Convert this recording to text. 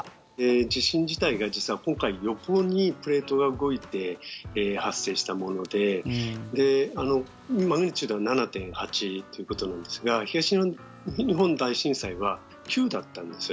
地震自体が実は今回横にプレートが動いて発生したものでマグニチュードは７．８ということなんですが東日本大震災は９だったんです。